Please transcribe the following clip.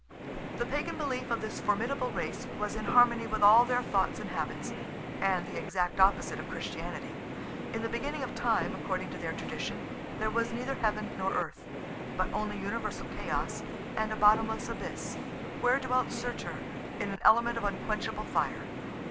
The Pagan belief of this formidable race was in harmony with all their thoughts and habits, and the exact opposite of Christianity. In the beginning of time, according to their tradition, there was neither heaven nor earth, but only universal chaos and a bottomless abyss, where dwelt Surtur in an element of unquenchable fire.